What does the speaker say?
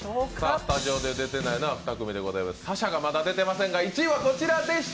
スタジオで出てないのは２組でございますが紗々がまだ出ていませんが、１位はこちらでした。